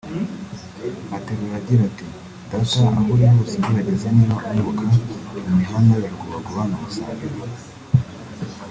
Aterura agira ati “…Data aho uri hose gerageza niba unyibuka […] mu mihanda ya Rugobagoba na Musambira